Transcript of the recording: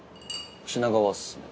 品川っすね。